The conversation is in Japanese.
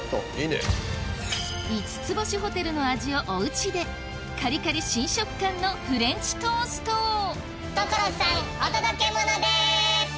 五つ星ホテルの味をおうちでカリカリ新食感のフレンチトーストを所さんお届けモノです！